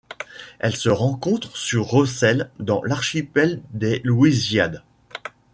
Elle se rencontre sur Rossel dans l'archipel des Louisiades.